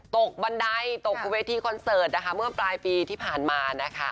บันไดตกเวทีคอนเสิร์ตนะคะเมื่อปลายปีที่ผ่านมานะคะ